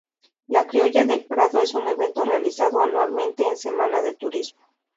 La Criolla del Prado es un evento realizado anualmente en semana de Turismo.